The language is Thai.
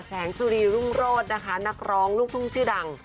แสงสุรีรุ่งโรธนะคะนักร้องลูกทุ่งชื่อดัง